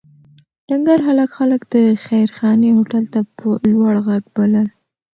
ډنکر هلک خلک د خیرخانې هوټل ته په لوړ غږ بلل.